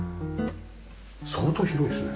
相当広いですね。